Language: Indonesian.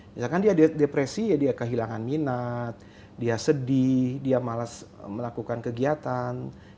misalkan dia depresi ya dia kehilangan minat dia sedih dia malas melakukan kegiatan